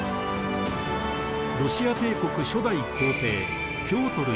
ロシア帝国初代皇帝ピョートル